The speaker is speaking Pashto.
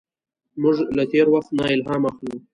موږ له تېر وخت نه الهام اخلو.